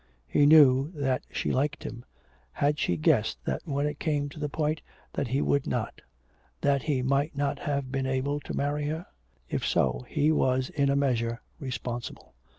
He knew that she liked him. Had she guessed that when it came to the point that he would not, that he might not have been able to marry her? If so, he was in a measure responsible.